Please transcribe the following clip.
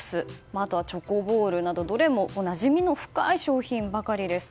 あとは、チョコボールなどどれもなじみの深い商品ばかりです。